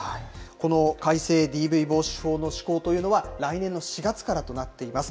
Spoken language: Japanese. この改正ＤＶ防止法の施行というのは、来年の４月からとなっています。